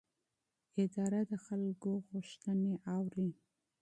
اداره د خلکو غوښتنې اوري.